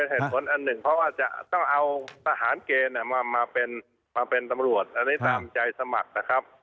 แห่งหนึ่งต้องเอาทหารเกณฑ์มาเป็นมาเป็นตำรวจอันนี้ตามใจสมัครนะครับ